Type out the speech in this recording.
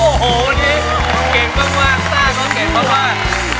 โอ้โหเก่งมากว่านายท่าก็เก่งมากว่า